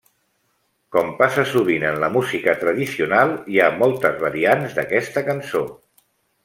Com passa sovint en la música tradicional, hi ha moltes variants d'aquesta cançó.